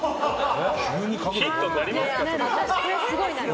ヒントになりますか、それ。